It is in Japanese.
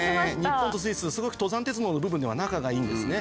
日本とスイスすごく登山鉄道の部分では仲がいいんですね